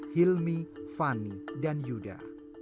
hilmi fani dan yuda